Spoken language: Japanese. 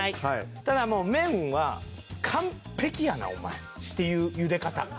ただもう麺は「完璧やなお前」っていう茹で方。